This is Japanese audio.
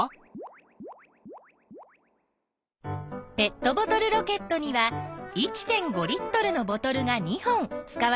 ペットボトルロケットには１．５Ｌのボトルが２本使われているよ。